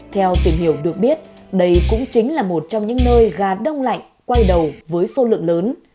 theo tìm hiểu được biết đây cũng chính là một trong những nơi gà đông lạnh quay đầu với số lượng lớn